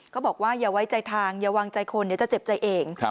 บอกว่าอย่าไว้ใจทางอย่าวางใจคนเดี๋ยวจะเจ็บใจเอง